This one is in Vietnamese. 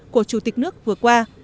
của chủ tịch nước vừa qua